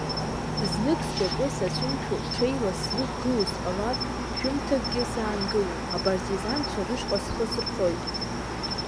Знык сшьапы сацәымшәо, ҽеила сзықәгыло сҟалар, шәымҭакгьы саангылом, апартизанцәа рышҟа схы сырхоит!